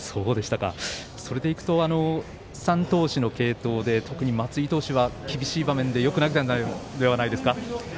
それでいくと３投手の継投で得に松井投手は厳しい場面でよく投げたのではないでしょうか。